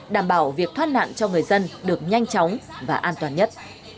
đảm bảo việc thoát nạn cho người dân được nhanh chóng và an toàn nhất